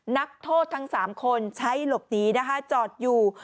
นักโทษทั้งสามคนใช้หลบหนีจอดอยู่